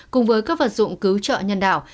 cùng với các vật dụng cứu trợ nhân đạo